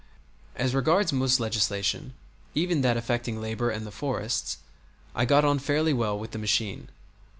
As regards most legislation, even that affecting labor and the forests, I got on fairly well with the machine.